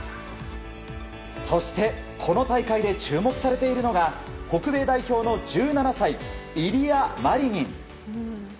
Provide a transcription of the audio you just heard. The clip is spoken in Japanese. そして、この大会で注目されているのが北米代表の１７歳イリア・マリニン。